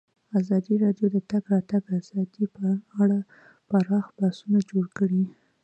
ازادي راډیو د د تګ راتګ ازادي په اړه پراخ بحثونه جوړ کړي.